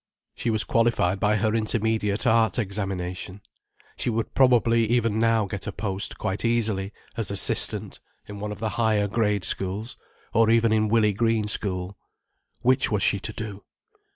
She was qualified by her Intermediate Arts examination. She would probably even now get a post quite easily as assistant in one of the higher grade schools, or even in Willey Green School. Which was she to do?